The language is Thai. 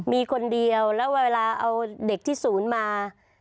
มีคนเดียวแล้วเวลาเอาเด็กที่ศูนย์มา